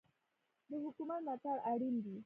د حکومت ملاتړ اړین دی.